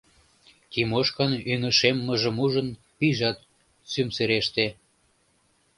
Тимошкан ӱҥышеммыжым ужын, пийжат сӱмсыреште.